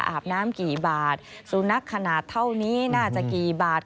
อาบน้ำกี่บาทสุนัขขนาดเท่านี้น่าจะกี่บาท